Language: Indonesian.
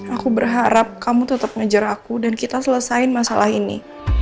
aku berharap kamu tetap ngejar aku dan kita selesaikan masalah ini